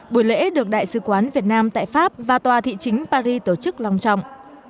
buổi lễ được đại sứ quán việt nam tại pháp và tòa thị chính paris tổ chức lòng trọng